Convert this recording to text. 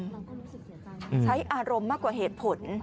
ใช้อารมณ์มากกว่าเหตุผล